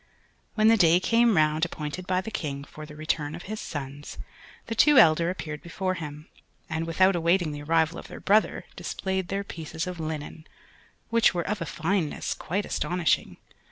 When the day came round appointed by the King for the return of his sons, the two elder appeared before him, and, without awaiting the arrival of their brother, displayed their pieces of linen, which were of a fineness quite astonishing.